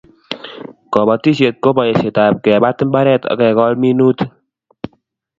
Kobotisiet ko boisetab kebat mbaret ak kekol minutik